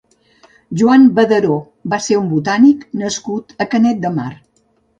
Joan Badaró va ser un botànic nascut a Canet de Mar.